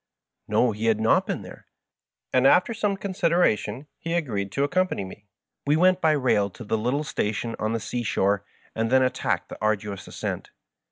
No, he had not been there, and after some consideration he agreed to accom pany me. We went by rail to the little station on the sea shore, and then attacked the arduous ascent.